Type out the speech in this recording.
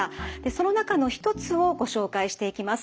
その中の一つをご紹介していきます。